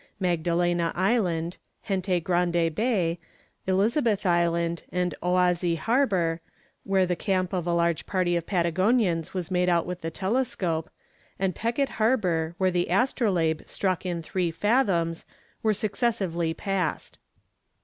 Magdalena Island, Gente Grande Bay, Elizabeth Island, and Oazy Harbour, where the camp of a large party of Patagonians was made out with the telescope, and Peckett Harbour, where the Astrolabe struck in three fathoms, were successively passed.